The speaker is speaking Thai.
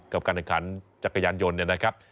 กับการแข่งขันจักรยานยนต์เนี่ยนะครับ